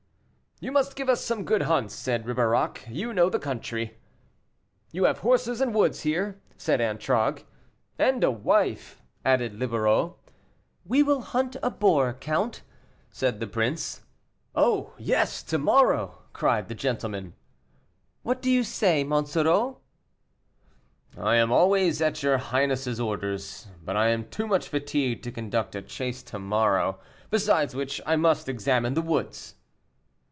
"You must give us some good hunts," said Ribeirac, "you know the country." "You have horses and woods here," said Antragues. "And a wife," added Livarot. "We will hunt a boar, count," said the prince. "Oh, yes, to morrow!" cried the gentlemen. "What do you say, Monsoreau?" "I am always at your highness's orders, but I am too much fatigued to conduct a chase to morrow; besides which, I must examine the woods."